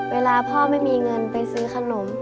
เวลาพ่อไม่มีเงินไปซื้อขนม